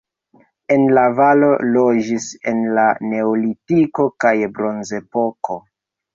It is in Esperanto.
En la valo loĝis en la neolitiko kaj bronzepoko.